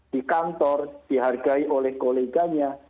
di kantor dihargai oleh koleganya